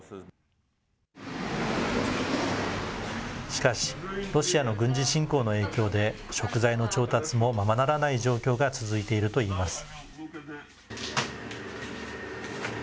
しかし、ロシアの軍事侵攻の影響で、食材の調達もままならない状況が続いているといいます。